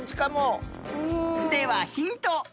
ではヒント。